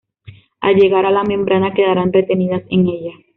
Al llegar a la membrana, quedarán retenidas en ella.